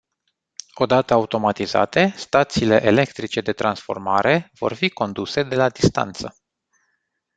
Odată automatizate, stațiile electrice de transformare vor fi conduse de la distanță.